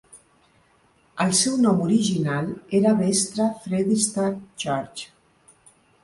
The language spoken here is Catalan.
El seu nom original era Vestre Fredrikstad Church.